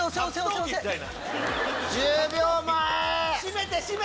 １０秒前！